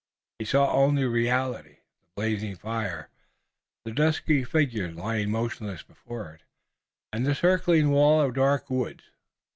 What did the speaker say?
He saw only reality, the blazing fire, the dusky figures lying motionless before it, and the circling wall of dark woods.